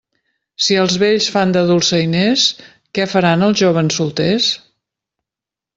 Si els vells fan de dolçainers, què faran els jóvens solters?